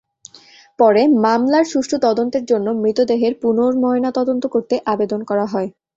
পরে মামলার সুষ্ঠু তদন্তের জন্য মৃতদেহের পুনর্ময়নাতদন্ত করতে আবেদন করা হয়।